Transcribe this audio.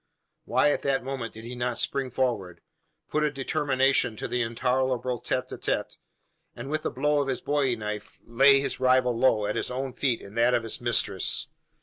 Why at that moment did he not spring forward put a termination to the intolerable tete a tete and with a blow of his bowie knife lay his rival low at his own feet and that of his mistress?